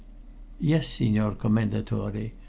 "Yes, Signor Commendatore.